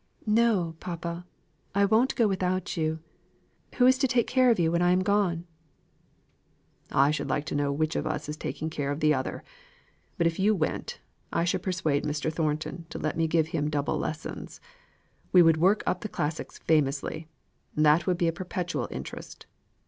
"No, papa, I won't go without you. Who is to take care of you when I am gone?" "I should like to know which of us is taking care of the other. But if you went, I should persuade Mr. Thornton to let me give him double lessons. We would work up the classics famously. That would be a perpetual interest.